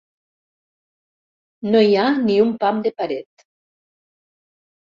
No hi ha ni un pam de paret.